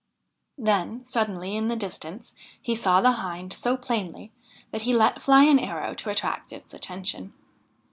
Then, suddenly, in the distance he saw the Hind so plainly that he let fly an arrow to attract its attention.